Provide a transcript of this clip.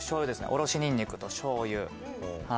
おろしニンニクとしょうゆはい